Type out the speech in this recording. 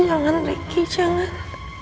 jangan ricky jangan